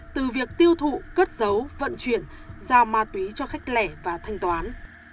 từ việc tiêu thụ cất giấu vận chuyển giao ma túy cho khách lẻ và thanh toán